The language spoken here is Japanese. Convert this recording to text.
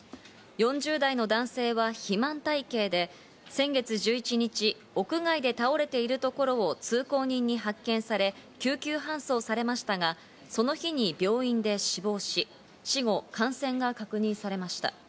４０代の男性は肥満体型で、先月１１日、屋外で倒れているところを通行人に発見され、救急搬送されましたが、その日に病院で死亡し、死後、感染が確認されました。